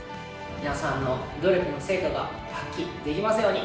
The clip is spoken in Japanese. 皆さんの努力の成果が発揮できますように。